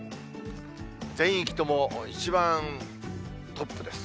全域とも、一番トップです。